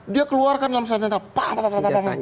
dia keluarkan dalam saat yang tepat